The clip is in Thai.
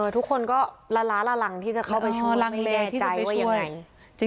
ทุกคนก็ละละละหลังที่จะเข้าไปช่วยไม่แน่ใจว่ายังไง